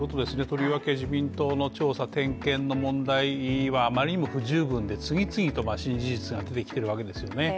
とりわけ自民党の調査点検の問題はあまりにも不十分で次々と不正事実が出てきているわけですよね。